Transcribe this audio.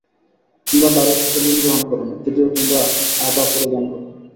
তোমরা কারো থেকে ঋণ গ্রহণ করো না, যদিও তোমরা আবা পরিধান কর।